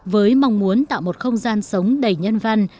với mong muốn tạo một không gian sống đầy nhân văn